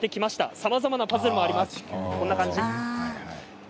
さまざまなパズルもあります。